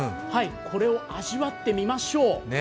これを味わってみましょう。